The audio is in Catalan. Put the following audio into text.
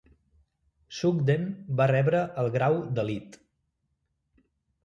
Sugden va rebre el grau de Litt.